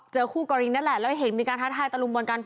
คู่กรณีนั่นแหละแล้วเห็นมีการท้าทายตะลุมบอลกัน